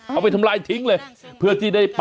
เอาไปทำลายทิ้งเลย